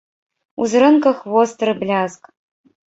У зрэнках востры бляск.